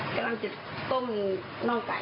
ก็ล่างจิบต้มนอกไก่